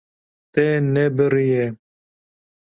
Te nebiriye.